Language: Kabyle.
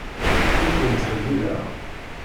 Ur ken-ttḥellileɣ.